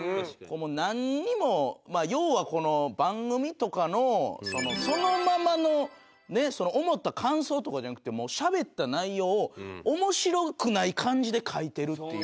なんにも要は番組とかのそのままのね思った感想とかじゃなくてしゃべった内容を面白くない感じで書いてるっていう。